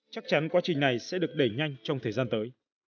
chắc chắn quá trình này sẽ được đẩy nhanh trong thời gian tới